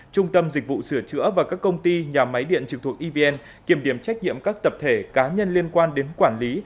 trung tâm dịch vụ sửa chữa và các công ty nhà máy điện trực thuộc evn kiểm điểm trách nhiệm các tập thể cá nhân liên quan đến quản lý